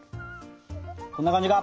こんな感じか？